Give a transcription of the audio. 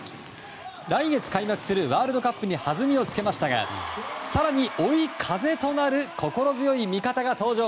来月開幕するワールドカップに弾みをつけましたが更に、追い風となる心強い味方が登場。